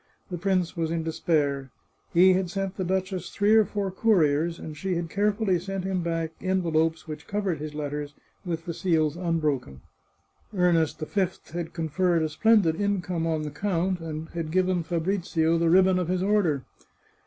The prince was in despair. He had sent the duchess three or four couriers, and she had carefully sent him back en velopes which covered his letters, with the seals unbroken. 506 The Chartreuse of Parma Ernest V had conferred a splendid income on the count, and had given Fabrizio the ribbon of his Order.